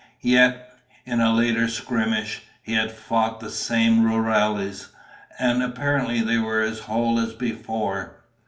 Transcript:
Yet, in a later skirmish, he had fought the same rurales, and apparently they were as whole as before.